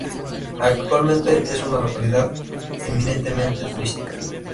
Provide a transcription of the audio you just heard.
Actualmente es una localidad eminentemente turística.